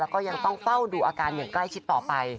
แล้วก็ยังต้องเฝ้าดูอาการอย่างใกล้ชิดต่อไป